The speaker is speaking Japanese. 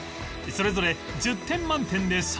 それぞれ１０点満点で採点